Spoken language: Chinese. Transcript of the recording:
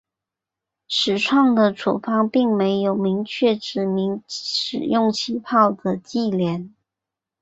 始创的处方并没有明确指明使用起泡的忌廉。